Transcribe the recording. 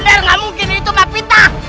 biar gak mungkin itu pak fitnah